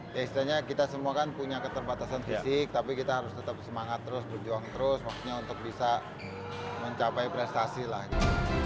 ya istilahnya kita semua kan punya keterbatasan fisik tapi kita harus tetap semangat terus berjuang terus maksudnya untuk bisa mencapai prestasi lagi